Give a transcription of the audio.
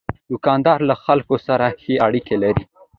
دوکاندار له خلکو سره ښې اړیکې لري.